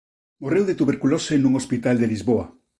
Morreu de tuberculose nun hospital de Lisboa.